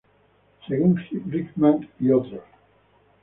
Según Hickman "et al.